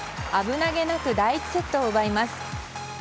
危なげなく第１セットを奪います。